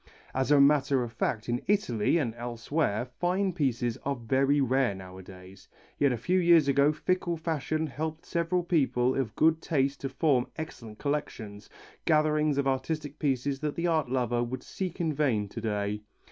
As a matter of fact in Italy and elsewhere fine pieces are very rare nowadays. Yet a few years ago fickle fashion helped several people of good taste to form excellent collections, gatherings of artistic pieces that the art lover would seek in vain to day.